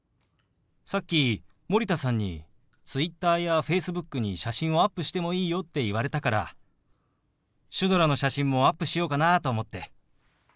さっき森田さんにＴｗｉｔｔｅｒやＦａｃｅｂｏｏｋに写真をアップしてもいいよって言われたからシュドラの写真もアップしようかなと思って。